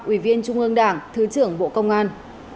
ủy viên trung ương đảng thứ trưởng bộ công an